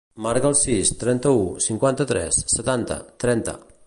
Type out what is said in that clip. Marca el sis, trenta-u, cinquanta-tres, setanta, trenta.